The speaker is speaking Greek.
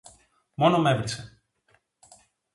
Μόνο μ' έβρισε.